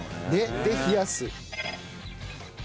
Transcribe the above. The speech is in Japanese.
で冷やす。